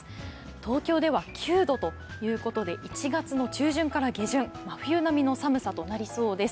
東京では９度ということで、１月の中旬から下旬真冬並みの寒さとなりそうです。